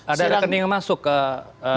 ada rekening yang masuk ke keluarga atau eliezer